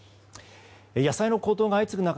野菜の高騰が相次ぐ中